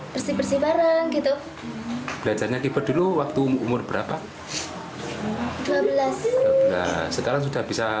bersih bersih bareng gitu belajarnya keeper dulu waktu umur berapa dua belas sekarang sudah bisa